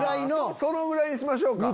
そのぐらいにしましょうか。